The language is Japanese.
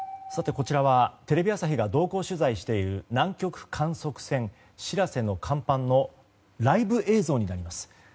こちらは、テレビ朝日が同行取材している南極観測船「しらせ」の甲板のライブ映像になります。